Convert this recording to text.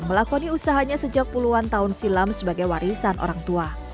melakoni usahanya sejak puluhan tahun silam sebagai warisan orang tua